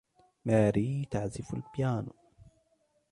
ماري تعزف البيانو.